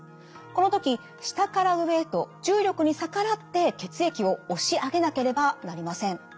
この時下から上へと重力に逆らって血液を押し上げなければなりません。